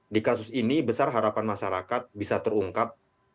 di kasus ini besar harapan masyarakat bisa terungkap